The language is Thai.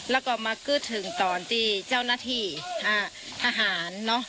แล้วก็มากู๊ดถึงตอนที่เจ้านัทีทหาร